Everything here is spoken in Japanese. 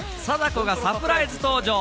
貞子がサプライズ登場。